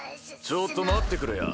ちょっと待ってくれや。